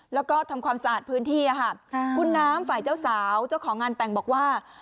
แล้วก็ทำความสะอาดพื้นที่ค่ะคุณน้ำฝ่ายเจ้าสาวเจ้าของงานแต่งบอกว่า